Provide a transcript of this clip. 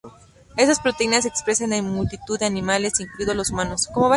Estas proteínas se expresan en multitud de animales, incluidos los humanos.